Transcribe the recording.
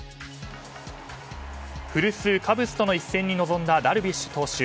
古巣カブスとの一戦に臨んだダルビッシュ投手。